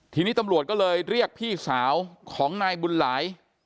ทีนี้ตำรวจก็เลยเรียกพี่สาวของนายบุญหลาย